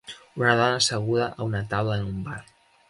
Una dona asseguda a una taula en un bar.